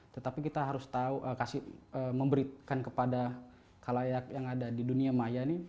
tetapi kita harus tahu memberikan kepada kalayak yang ada di dunia maya ini